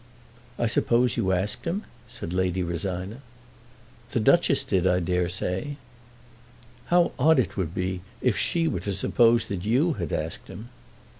"I suppose you asked him?" said Lady Rosina. "The Duchess did, I dare say." "How odd it would be if she were to suppose that you had asked him."